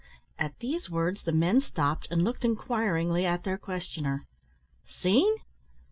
At these words the men stopped, and looked inquiringly at their questioner. "Seen!